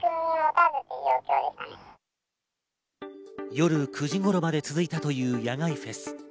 夜９時頃まで続いたという野外フェス。